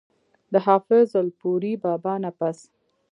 د حافظ الپورۍ بابا نه پس